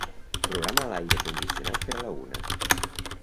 Programa l'aire condicionat per a la una.